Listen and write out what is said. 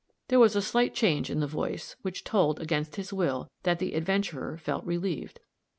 there was a slight change in the voice, which told, against his will, that the adventurer felt relieved.